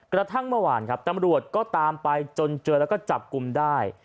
กระทั่งเมื่อวานครับตำรวจก็ตามไปจนเจอแล้วก็จับกลุ่มได้